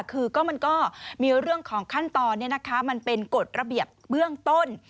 คือมันก็มีเรื่องของขั้นตอนมันเป็นกฎระเบียบเบื้องต้น